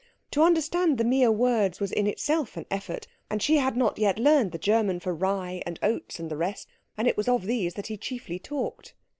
To understand the mere words was in itself an effort, and she had not yet learned the German for rye and oats and the rest, and it was of these that he chiefly talked.